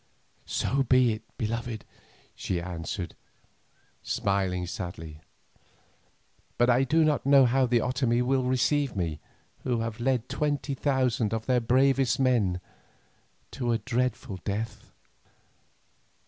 "So be it, beloved," she answered, smiling sadly. "But I do not know how the Otomie will receive me, who have led twenty thousand of their bravest men to a dreadful death."